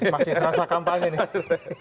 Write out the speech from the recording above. masih serasa kampanye nih